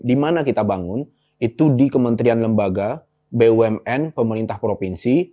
di mana kita bangun itu di kementerian lembaga bumn pemerintah provinsi